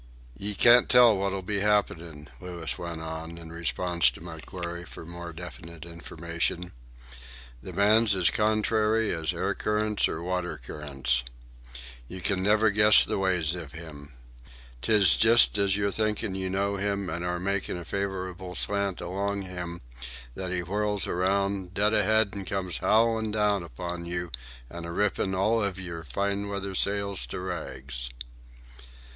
"Ye can't tell what'll be happenin'," Louis went on, in response to my query for more definite information. "The man's as contrary as air currents or water currents. You can never guess the ways iv him. 'Tis just as you're thinkin' you know him and are makin' a favourable slant along him, that he whirls around, dead ahead and comes howlin' down upon you and a rippin' all iv your fine weather sails to rags."